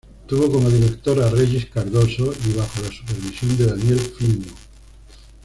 Tuvo como director a Regis Cardoso y bajo la supervisión de Daniel Filho.